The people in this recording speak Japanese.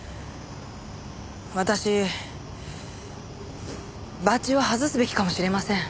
私バッジを外すべきかもしれません。